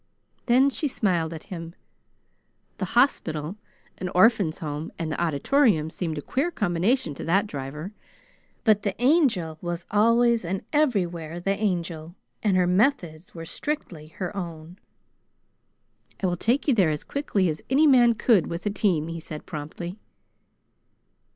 Then she smiled at him. The hospital, an Orphans' Home, and the Auditorium seemed a queer combination to that driver, but the Angel was always and everywhere the Angel, and her methods were strictly her own. "I will take you there as quickly as any man could with a team," he said promptly.